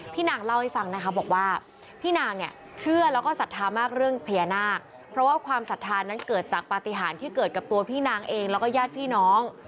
นางเล่าให้ฟังนะคะบอกว่าพี่นางเนี่ยเชื่อแล้วก็ศรัทธามากเรื่องพญานาคเพราะว่าความศรัทธานั้นเกิดจากปฏิหารที่เกิดกับตัวพี่นางเองแล้วก็ญาติพี่น้อง